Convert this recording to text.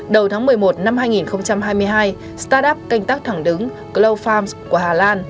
đầu tháng một mươi một năm hai nghìn hai mươi hai startup canh tắc thẳng đứng glow farms của hà lan